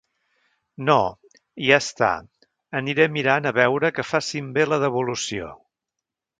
No, ja està aniré mirant a veure que facin bé la devolució.